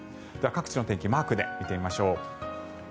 各地の天気をマークで見てみましょう。